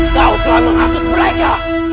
kau telah menghasut mereka